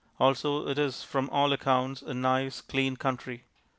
Also it is from all accounts a nice clean country.